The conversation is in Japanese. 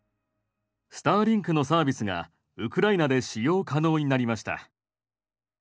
「スターリンクのサービスがウクライナで使用可能になりました」。